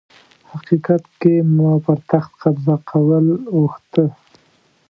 حقيقت کي ما پر تخت قبضه کول غوښته